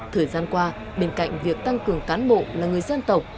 thời gian qua bên cạnh việc tăng cường cán bộ là người dân tộc